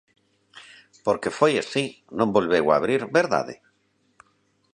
Porque foi así, non volveu abrir, ¿verdade?